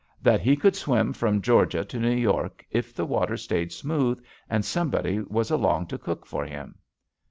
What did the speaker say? That he could swim from Georgia to New York if the water stayed smooth and some body was along to cook for him.